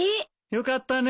よかったね